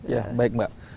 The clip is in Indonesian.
ya baik mbak